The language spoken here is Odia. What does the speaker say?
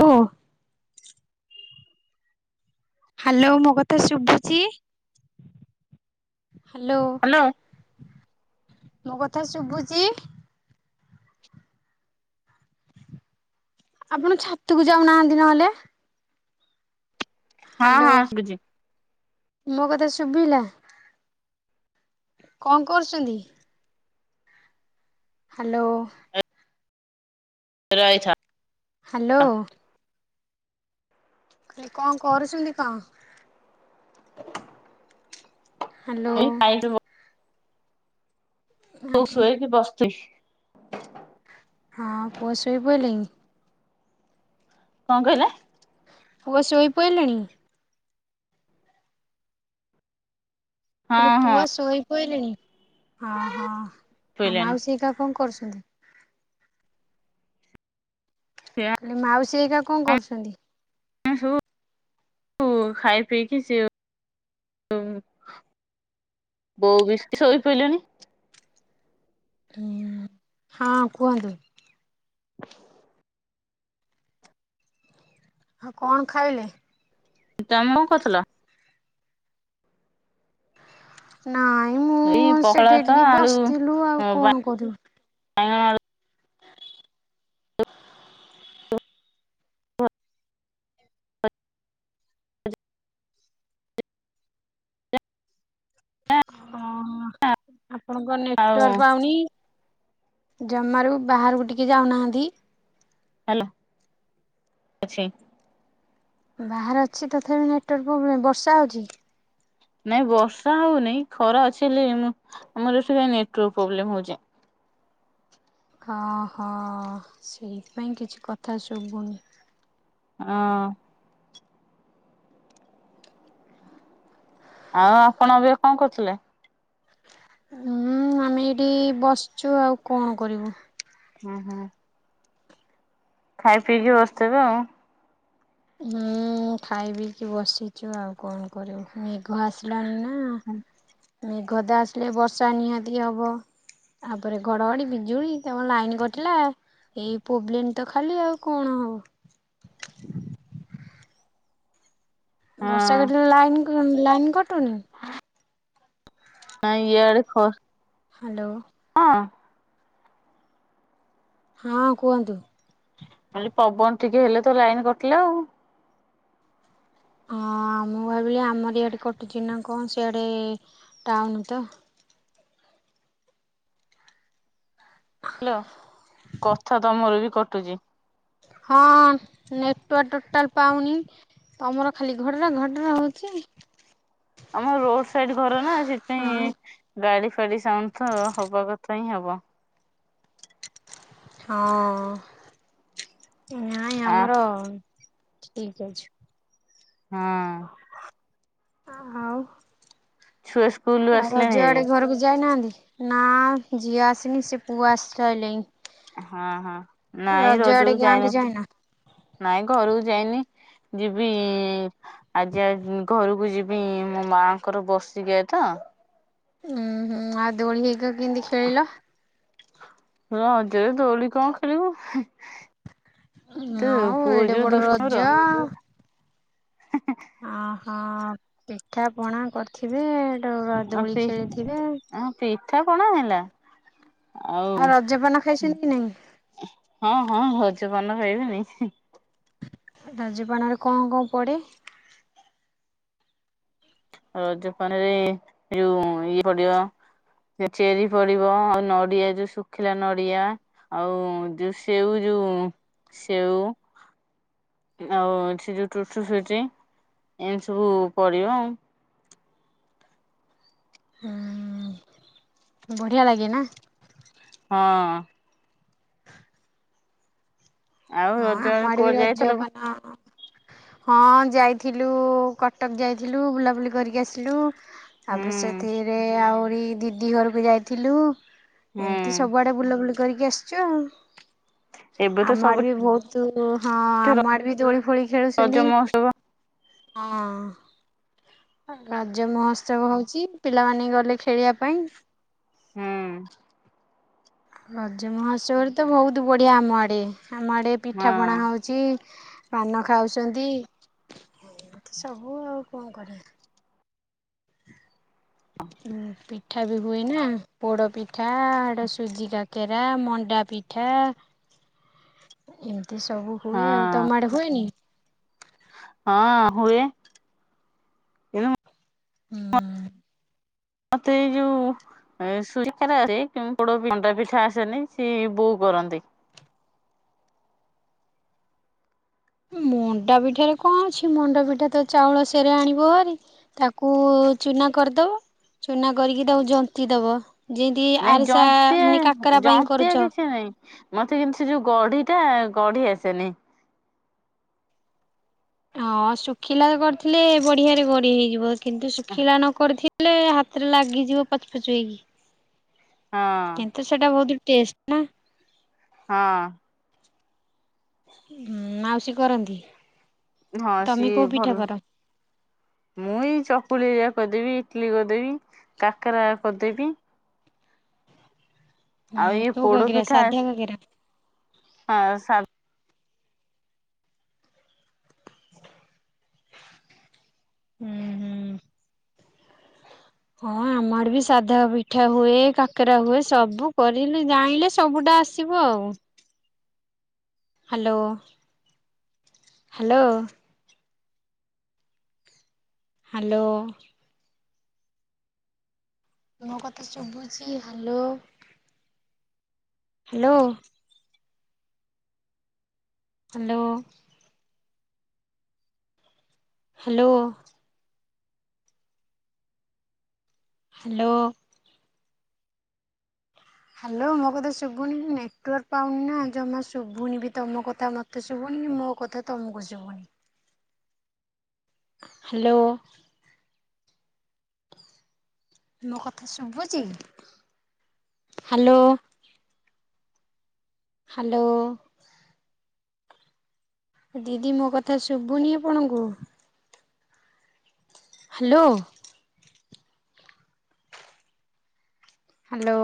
ହେଲୋ, ହ୍ୟାଲୋ ମୋ କଥା ଶୁଭୁଛି? ହ୍ୟାଲୋ ମୋ କଥା ଶୁଭୁଛି? ଆପଣ ଛାତକୁ ଯାଉଁନାହାନ୍ତି ନ ହେଲେ ହଁ ହ୍ୟାଲୋ ହଁ ଶୁଭୁଛି। ମୋ କଥା ଶୁଭିଲା? କଣ କରୁଛନ୍ତି? ହ୍ୟାଲୋ। ରହିଥ ହ୍ୟାଲୋ। ଖାଲି କଣ କରୁଛନ୍ତି କଣ? ହ୍ୟାଲୋ। ଖାଇକି ମୁଁ ଆପଣ ଶୋଇକି ବସିଛିି। ହଁ ପୁଅ ଶୋଇ ପଇଁଲାଣି? କଣ କହିଲେ? ପୁଅ ଶୋଇ ପଇଲେଣି? ମୁଁ ହଁ କହିଁଲି ହଁ ପୁଅ ଶୋଇ ପଇଁଲେଣି ହଁ ହଁ ଆଉ ଶୋଇଲାଣି ମାଉସୀ ହେକା କଣ କରୁଛନ୍ତି? ସେ ମୁଁ କହିଲି ମାଉସୀ ହେକା କଣ କରୁଛନ୍ତି? ସେ ସବୁ ଉଁ ଖାଇ ପିଇକି ସିଏ ଉଁ ବୋଉ ବି ସେଠିଁ ଶୋଇପଇଲେଣି ହୁଁ ଉଁ ହଁ କୁହନ୍ତୁ? [inaudible] ଆଉ କଣ ଖାଇଲେ? ତମେ କଣ କରୁଥିଲ? ନାଇଁ ଏଇ ମୁଁ ପଖାଳ ସେଠେ ଭାତ ଟିକେ ଆଳୁ ବସିଥିଲୁ ଆଉ କଣ କରିବୁ? ହଁ ଆଉ [inaudible] ହଁ ଆପଣଙ୍କ ଆଉ ନେଟୱାର୍କ ପାଉନି ଜମାରୁ ବାହାରକୁ ଟିକେ ଯାଉଁନାହାନ୍ତି? ହାଲୋ ଅଛି। ବାହାରେ ଅଛି ତଥାପି ନେଟୱାର୍କ ପ୍ରୋବ୍ଲେମ୍ ବର୍ଷା ହେଉଛି? ନାଇଁ ବର୍ଷା ହଉନାଇଁ ଖରାଅଛି ହେଲେ ହେମ ଆମର ଏଠିଁ ନେଟୱାର୍କ ପ୍ରୋବ୍ଲେମ୍ ହଉଛି। ହଁ ହଁ ସେଇଥିପାଇଁ କିଛି କଥା ଶୁବୁନି ହଁ। ଆଉଁ ଆପଣ ଏବେ କଣ କରୁଥିଲେ? ହୁଁ ଆମେ ଏଇଠିଁ ବସିଛୁ ଆଉ କଣ କରିବୁ? ହୁଁ ହୁଁ। ଖାଇ ପିଇକି ବସିଥିବେ ଆଉ? ହୁଁଉଁ ଖାଇପିଇକି ବସିଛୁ ଆଉଁ କଣ କରିବୁ ମେଘ ଆସିଲାଣି ନାଁ ହୁଁ। ମେଘ ତ ଆସିଲେ ବର୍ଷା ନିହାତି ହବ। ତାପରେ ଘଡଘଡି ବିଜୁଳି ତା ପରେ ଲାଇନ କଟିଲା ଏଇ ପ୍ରୋବ୍ଲେମ୍ ତ ଖାଲି ଆଉଁ କଣ ହବ ବର୍ଷା ହଁ କେତେଜୋରେ ଲାଇନ ଲାଇନ୍ କଟୁନି? ନାଁଇ ଇଆଡେ ଖସଁ ହ୍ୟାଲୋ। ହଁ। ହଁ କୁହନ୍ତୁ? ଖାଲି ପବନ ଟିକେ ହେଲେ ତ ଲାଇନ୍ କଟିଲା ଆଉ। ହଁ ମୁଁ ଭାବିଲି ଆମରି ଇଆଡେ କଟୁଚି ନା କଣ ସିଆଡେ ଟାଉନ୍ ତ। ହାଲ କଥା ତମର ବି କଟୁଚି। ହଁ ନେଟୱାର୍ ଟୋଟାଲ୍ ପାଉନି। ତମର ଖାଲି ଘଡ୍ର ଘଟର ହଉଛି। ଆମ ରୋଡ୍ ସାଇଡ୍ ଘର ନା ସେଥିପାଇଁ ହଁ ଗାଡି ଫାଡି ସାଉଣ୍ଡ୍ ତ ହବା କଥା ହିଁ ହବ। ହଁ ନାଇଁ ଆ ଆମର ଠିକ୍ ଅଛି। ହୁଁ। ଆ ହାଉ। ଛୁଆ ସ୍କୁଲ୍ ଆଉ ରଜ ଆଡେ ଘରକୁ ଯାଇନାହାନ୍ତି ନା ଝିଅ ଆସିନି ସେ ପୁଅ ଆସ୍ଚି ସଇଲେଇଁ। ଏ ହଁ ହଁ ନାଇଁ ଆଡେ ରଜକୁ ଗାଁକୁ ଯାଇନି ଯାଇନ? ନାଇଁ ଘରକୁ ଯାଇନି। ଯିବି ଆଜି ଆ ଘରକୁ ଯିବି ମୋ ମାଙ୍କର ବସିକିୟା ତ। ହୁଁ ହୁଁ ଆଉ ଦୋଳି ହେଇକା କେନ୍ତି ଖେଳିଲ? ରଜ୍ ରେ ଦୋଳି କଣ ଖେଳିବୁ। ତ ଆଉ ପୁଅ ଏଡେ ଯୋଉ ବଡ ଦୁଷ୍ଟ ରଜ ମୋର। ଆ ହଁ ପିଠା ପଣା କର୍ଥିବେ? ଆଉ ପି ହଁ ପିଠା ପଣା ହେଲା। ଆଉ ରଜପାନ ଖାଇଛନ୍ତି କି ନାଇଁ? ହଁ ହଁ ହଜ ପାନ ଖାଇବିନି। ରାଜପାନରେ କଣ କଣ ପଡ଼େ? ରଜପାନରେ ଏଇ ଯଉ ଇଏ ପଡ଼ିବ ଯଉ ଚେରି ପଡିବ ଆଉ ନଡିଆ ଯଉ ଶୁଖିଲା ନଡିଆ ଆଉ ଯଉ ସେଉ ଯଉଁ ସେଉ। ଆଉ ସେ ଯଉ ଟୁୁୁଟୁ ସୁଇଟି ଏନ୍ତି ସବୁ ପଡ଼ିବ ଆଉ। [unintelligible] ବଢ଼ିଆ ଲାଗେ ନା? ହଁ। ଆଉ ହଁ ଆମ ରଜରେ ଆଡେ ବି କୁଆଡେ ଯାଇଥିଲ ହୁଁ ରଜପାନ ହଁ ଯାଇଥିଲୁ କଟକ୍ ଯାଇଥିଲୁ ବୁଲାବୁଲି କରିକି ଆସିଲୁ। ତାପରେ ସେଥିରେ ଆହୁରି ଦିଦି ଘରକୁ ଯାଇଥିଲୁ। ହୁଁ ଏମ୍ତି ସବୁଆଡେ ବୁଲାବୁଲି କରିକି ଆସ୍ଛୁ ଆଉ। ଏବେ ତ ସବୁ ସେ ବହୁତୁ ହଁ ଆମ ଆଡେ ବି ଦୋଳି ଫୋଳି ରଜ ଖେଳୁଛନ୍ତି। ମହୋତ୍ସବ ହଁ। ରାଜ ମହୋତ୍ସବ ହଉଛି ପିଲାମାନେ ବି ଗଲେ ଖେଳିବା ପାଇଁ। ହୁଁ। ରଜ ମୋହସ୍ଚବ ରେ ତ ବହୁତୁ ବଢିଆ ଆମ ଆଡେ ଆମ ଆଡେ ହଁ ପିଠା ପଣା ହ ଚି ପାନ ଖାଉଚତି ସବୁ ଆଉ କଣ କରିଆ। ପିଠା ବି ହୁଏନା ପୋଡ଼ ପିଠା ଆଡେ ସୁଜି କା କେରା ମଣ୍ଡା ପିଠା ଏମ୍ତି ସବୁ ହଁ ହୁଏ ଆଉ ତମ ଆଡେ ହୁଏନି? ହଁ ହୁଏ। କିନ୍ତୁ ହଁ ମତେ ଏଇ ଯୋଉ ଏ ସୁଜି କାକରା ଆସେ ମଣ୍ଡା ପିଠା ଆସେନି ସିଏ ବୋଉ କରନ୍ତି ମଣ୍ଡା ପିଠାରେ କଣ ଅଛି ମଣ୍ଡା ପିଠା ତ ଚାଉଳ ସେରେ ଆଣିବ ତାକୁ ଚୁନା କରିଦବ ଚୁନା କରିକି ତାକୁ ଜନ୍ତିଦବ ଯେମିନ୍ତି ନାଇଁ ଆରିସା ଜନ୍ତିଆ ମାନେ କାକାରା ପାଇଁ ଜନ୍ତିଆ କରୁଛ କିଛି ନାଇଁ ମତେ ଯୋମିତି ସେ ଯୋଉ ଗଢ଼ି ଟା ଗଢ଼ି ଆସେନି ହଁ ଶୁଖିଲା କରିଥିଲେ ବଢିଆରେ ଗଢ଼ି ହେଇଯିବ କିନ୍ତୁ ଶୁଖିଲା ନ କରିଥି ଲେ ହାତରେ ଲାଗିଯିବ ପଚ ପଚ ହେଇକି ହଁ। କିନ୍ତୁ ସେଇଟା ବହୁତ ଟେଷ୍ଟେ ନା ହଁ ମାଉସୀ କରନ୍ତି ହଁ ତମେ କୋଉ ପିଠା କର ମୁ ଏଇ ଚକୁଳିଆ ଘରିକା କରିଦେବି ଇଟଲିି କରିଦେବି କାକେରା କରିଦେବି ହୁଁ ଆଉ ଇଏ କୋଉ ପୋଡ କାକେରା ପିଠା ସାଧା କାକେରା ହଁ ସାଧା ହୁଁ ହୁଁ ହଁ ଆମ ଆଡେ ବି ସାଧା ପିଠା ହୁଏ କାକେରା ହୁଏ ସବୁ କରିଲେ ଜାଣିଲେ ସବୁଟା ଆ ସିବ ଆଉ ହାଲୋ ହାଲୋ ହାଲୋ ମୋ କଥା ସୁବୁଚି hello hello hello hello hello hello ମୋ କଥା ଶୁଭୁନି ନେଟୱାର୍କ ପାଉନିନା ଜମା ଶୁଭୁନି ବି ତମ କଥା ମ ତେ ଶୁଭୁନି ମୋ କଥା ତୁମକୁ ଶୁଭୁନି ହାଲୋ ମୋ କଥା ଶୁଭୁଛି ହାଲୋ ହାଲୋ ଦିଦି ମୋ କଥା ଶୁଭୁନି ଆପଣଙ୍କୁ ହାଲୋ ହାଲୋ